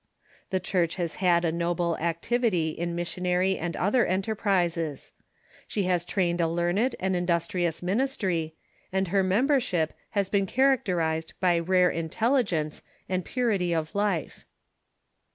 The Church has had a noble activity in missionary and other enterprises. She has trained a learned and industrious minis try, and her membership has been characterized by rare in telligence and purity of life.